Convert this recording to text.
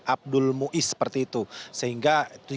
abdul muiz seperti itu sehingga